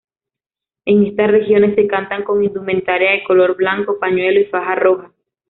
En estas regiones se cantan con indumentaria de color blanco, pañuelo y faja roja.